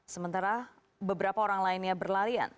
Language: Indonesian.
sementara beberapa orang lainnya berlarian